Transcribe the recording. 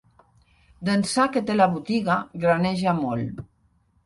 D'ençà que té la botiga, graneja molt.